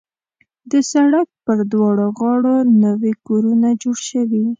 د سړک پر دواړه غاړو نوي کورونه جوړ شوي.